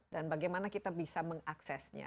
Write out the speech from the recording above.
dan bagaimana kita bisa mengaksesnya